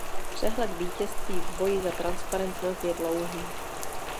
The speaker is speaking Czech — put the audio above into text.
Přehled vítězství v boji za transparentnost je dlouhý.